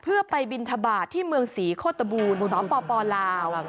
เพื่อไปบินทบาทที่เมืองศรีโคตบูรณสปลาว